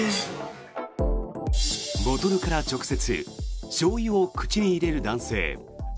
ボトルから直接しょうゆを口に入れる男性。